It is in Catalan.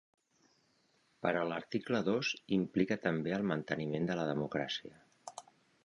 Però l’article dos implica també el manteniment de la democràcia.